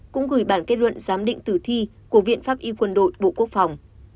cũng gửi bản kết luận giám định tử thi của viện pháp y quân đội bộ quốc phòng